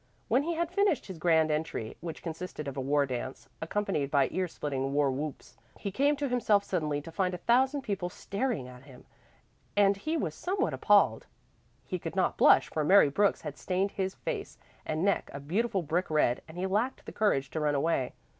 When he had finished his grand entry, which consisted of a war dance, accompanied by ear splitting war whoops, he came to himself suddenly to find a thousand people staring at him, and he was somewhat appalled. He could not blush, for Mary Brooks had stained his face and neck a beautiful brick red, and he lacked the courage to run away.